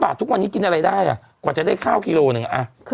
บาททุกวันนี้กินอะไรได้อ่ะกว่าจะได้ข้าวกิโลหนึ่ง